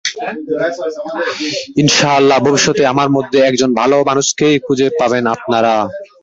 ইনশা আল্লাহ ভবিষ্যতে আমার মধ্যে একজন ভালো মানুষকেই খুঁজে পাবেন আপনারা।